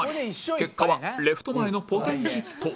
結果はレフト前のポテンヒット